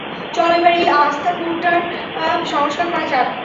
চলো এবার এই আঁস্তাকুড়টার সংস্কার করা যাক!